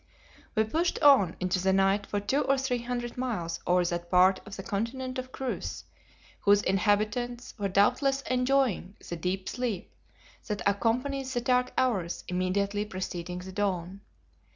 We pushed on into the night for two or three hundred miles over that part of the continent of Chryse whose inhabitants were doubtless enjoying the deep sleep that accompanies the dark hours immediately preceding the dawn.